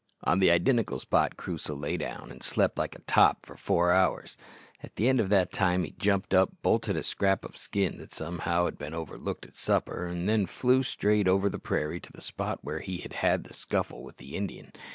On the identical spot Crusoe lay down and slept like a top for four hours. At the end of that time he jumped up, bolted a scrap of skin that somehow had been overlooked at supper, and flew straight over the prairie to the spot where he had had the scuffle with the Indian.